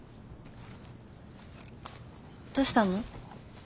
どうしたの？